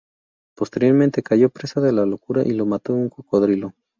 Posteriormente cayó presa de la locura y lo mató un cocodrilo.